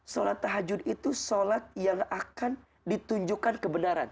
salat tahajud itu salat yang akan ditunjukkan kebenaran